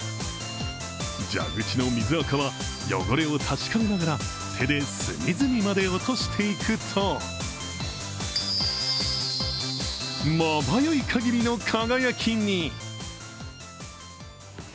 蛇口の水あかは、汚れを確かめながら手で隅々まで落としていくとまばゆいかぎりの輝きに。